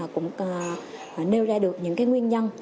cũng nêu ra được những cái nguyên nhân